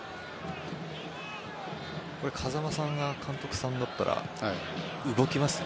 風間さんが監督さんだったら動きます？